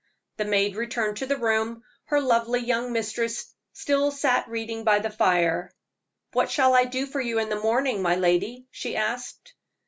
The maid returned to the room; her lovely young mistress still sat reading by the fire. "What shall I do for you in the morning, my lady?" she asked.